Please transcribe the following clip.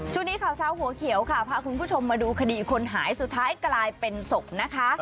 ช่วงนี้ข่าวเช้าหัวเขียวค่ะพาคุณผู้ชมมาดูคดีคนหายสุดท้ายกลายเป็นศพนะคะ